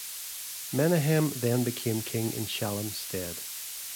Menahem then became king in Shallum's stead.